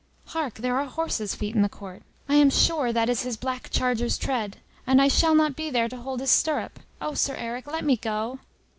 Hark, there are horses' feet in the court! I am sure that is his black charger's tread! And I shall not be there to hold his stirrup! Oh! Sir Eric, let me go."